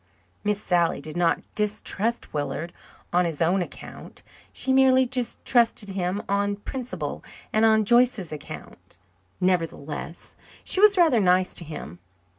Miss Sally did not distrust Willard on his own account. She merely distrusted him on principle and on Joyce's account. Nevertheless, she was rather nice to him.